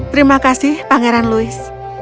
terima kasih pangeran louis